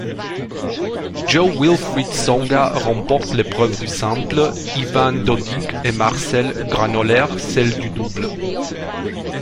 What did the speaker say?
Jo-Wilfried Tsonga remporte l'épreuve du simple, Ivan Dodig et Marcel Granollers celle du double.